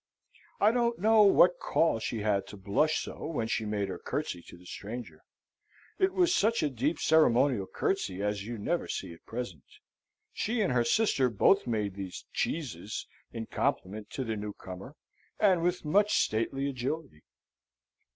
I don't know what call she had to blush so when she made her curtsey to the stranger. It was such a deep ceremonial curtsey as you never see at present. She and her sister both made these "cheeses" in compliment to the new comer, and with much stately agility.